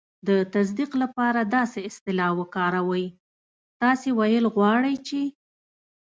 د تصدیق لپاره داسې اصطلاح وکاروئ: "تاسې ویل غواړئ چې..."